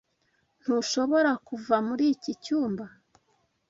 Ntushobora kuva muri iki cyumba.